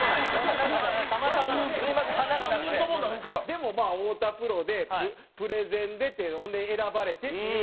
でもまあ太田プロでプレゼンでってほんで選ばれてっていうのは。